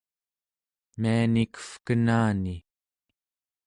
mianikevkenani